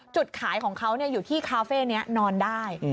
จุดขายของเขาอยู่ที่คาเฟ่นี้นอนได้